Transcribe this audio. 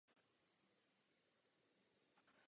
Hřbetní ploutve splývají v jednu.